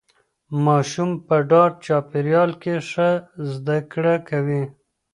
ماشوم په ډاډه چاپیریال کې ښه زده کړه کوي.